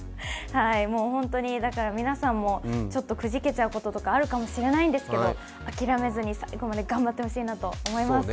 だから皆さんもちょっとくじけちゃうこととかあるかもしれないんですけれども、諦めずに最後まで頑張ってほしいと思います。